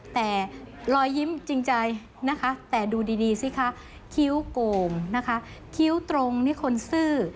แต่รอยยิ้มจริงใจนะคะแต่ดูดีสิคะคิ้วโก่งนะคะคิ้วตรงนี่คนซื่อ